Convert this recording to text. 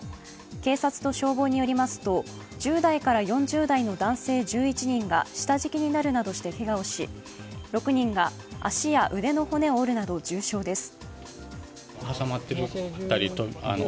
警察と消防によりますと１０代から４０代の男性１１人が下敷きになるなどしてけがをし、６人が足や腕の骨を折るなど重傷です。